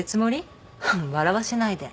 笑わせないで。